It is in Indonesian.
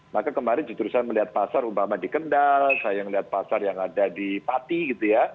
maka kemarin justru saya melihat pasar umpama di kendal saya melihat pasar yang ada di pati gitu ya